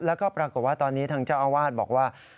แล้วก็ปรากฏว่าตอนนี้ทางเจ้าอาวาสบอกว่า